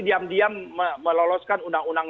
diam diam meloloskan undang undang